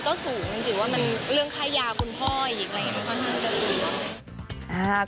ก็สูงจริงว่าเรื่องค่ายาคุณพ่อก็ค่อนข้างจะสูง